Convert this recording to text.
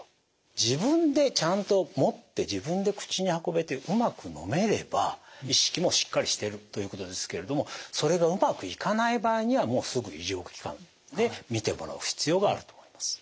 自分でちゃんと持って自分で口に運べてうまく飲めれば意識もしっかりしてるということですけれどもそれがうまくいかない場合にはもうすぐ医療機関で診てもらう必要があると思います。